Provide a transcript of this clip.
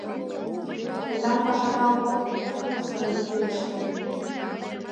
— Тендан пашада огыл, — Майрук сырен пелештен.